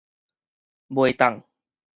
袂當